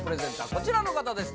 こちらの方です